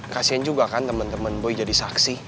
kasian juga kan temen temen boy jadi saksi